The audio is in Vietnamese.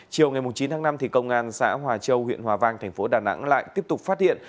chiều ngày chín tháng năm công an xã hòa châu huyện hòa vang thành phố đà nẵng lại tiếp tục phát hiện